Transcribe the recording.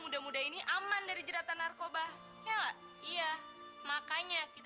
sampai jumpa di video selanjutnya